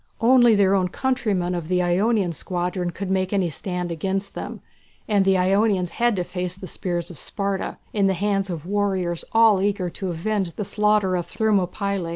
Only their own countrymen of the Ionian squadron could make any stand against them, and the Ionians had to face the spears of Sparta, in the hands of warriors all eager to avenge the slaughter of Thermopylæ.